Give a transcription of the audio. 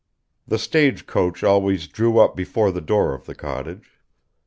The stage coach always drew up before the door of the cottage.